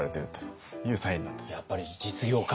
やっぱり実業家。